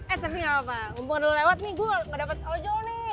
eh tapi gapapa mumpung udah lewat nih gua gak dapet ojol nih